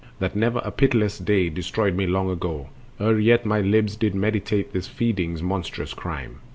that never a pitiless day Destroyed me long ago, ere yet my lips Did meditate this feeding's monstrous crime!